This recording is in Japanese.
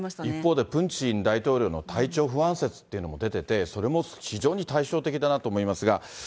一方で、プーチン大統領の体調不安説っていうのも出てて、それも非常に対照的だなと思いますが。